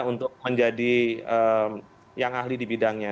untuk menjadi yang ahli di bidangnya